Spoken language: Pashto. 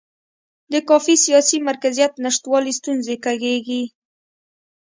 د کافي سیاسي مرکزیت نشتوالي ستونزې کړېږي.